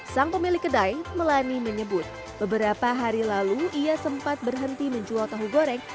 sang pemilik kedai melani menyebut beberapa hari lalu ia sempat berhenti menjual tahu goreng